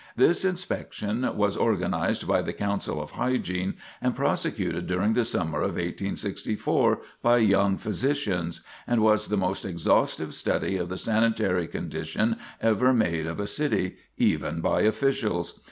This inspection was organized by the Council of Hygiene and prosecuted during the summer of 1864 by young physicians, and was the most exhaustive study of the sanitary condition ever made of a city, even by officials.